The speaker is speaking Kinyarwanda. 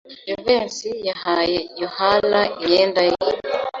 Jivency yahaye Yohana imyenda ye.